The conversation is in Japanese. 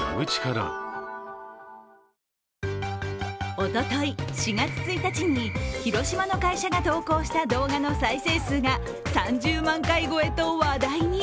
おととい４月１日に広島の会社が投稿した動画の再生数が３０万回超えと話題に。